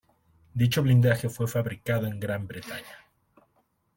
Dicho blindaje fue fabricado en Gran Bretaña.